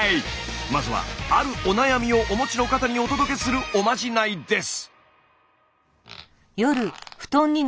まずはあるお悩みをお持ちの方にお届けするおまじないです。